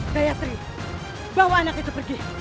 gayatri bawa anak itu pergi